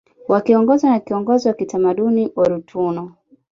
Wakiongozwa na kiongozi wa kitamaduni olotuno